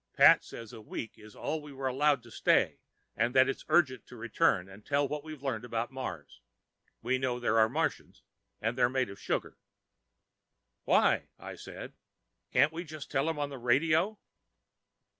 Pat says that a week is all we were allowed to stay and that it's urgent to return and tell what we've learned about Mars (we know there are Martians, and they're made of sugar). "Why," I said, "can't we just tell it on the radio?"